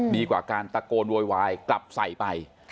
ดีกว่าการตะโกนโวยวายกลับใส่ไป